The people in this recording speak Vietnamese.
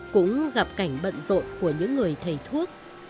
cũng gặp cảnh bận rộn của những người thầy thuốc